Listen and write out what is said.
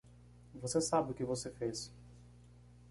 Você sabe que você fez.